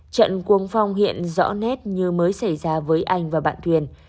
trận cuồng phong hiện rõ nét như mới xảy ra với anh và bạn thuyền